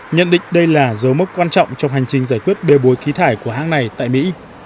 nhận định đây là dấu mốc quan trọng trong hành trình giải quyết bê bối khí thải của hãng này tại mỹ